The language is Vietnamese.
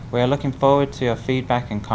hoặc địa chỉ email tạp chí zn gmail com